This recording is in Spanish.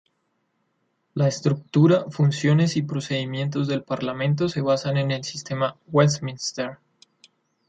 La estructura, funciones y procedimientos del parlamento se basan en el sistema Westminster.